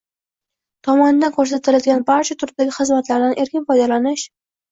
tomonidan ko‘rsatiladigan barcha turdagi xizmatlardan erkin foydalanish